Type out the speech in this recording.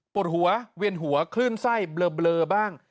ปวดหัวเวียนหัวคลื่นไส้เบลอบ้าง